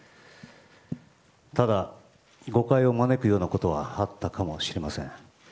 ただ、誤解を招くようなことはあったかもしれません。